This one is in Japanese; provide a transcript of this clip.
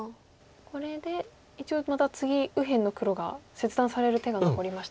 これで一応また次右辺の黒が切断される手が残りましたね。